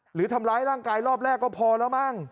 หรือทำร้ายร่างกายรอบแรกก็พอแล้วมั้ง